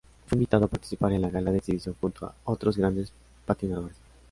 Fue invitado a participar en la Gala del Exhibición junto a otros grandes patinadores.